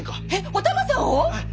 お玉さんを⁉はい。